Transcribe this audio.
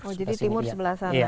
oh jadi timur sebelah sana